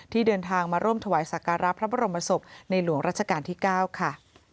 เดินทางมาร่วมถวายสักการะพระบรมศพในหลวงราชการที่๙ค่ะ